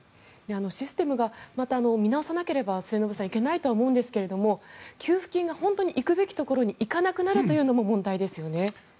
システムを見直さなければいけないと思うんですが給付金が本当に行くべきところに行かなくなるのも問題ですよね。